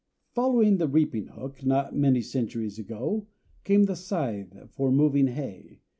Following the reaping hook, not many centuries ago, came the scythe for mowing hay.